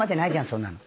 そんなの。